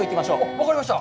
分かりました。